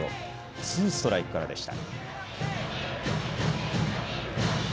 ツーストライクからでした。